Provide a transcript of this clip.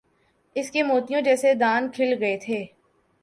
اس کے موتیوں جیسے دانت کھل گئے تھے۔